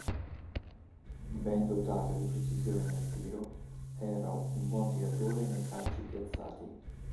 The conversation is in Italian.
Ben dotato di precisione nel tiro era un buon tiratore nei calci piazzati.